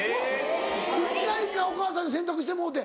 一回一回お母さんに洗濯してもろうて。